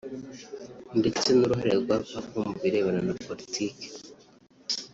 ndetse n’uruhare rwa papa mu birebana na politiki